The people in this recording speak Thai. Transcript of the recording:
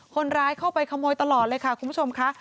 คนร้ายเข้าไปขโมยตลอดเลยค่ะคุณผู้ชมค่ะ